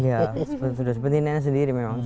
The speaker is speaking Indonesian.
iya sudah seperti neneknya sendiri memang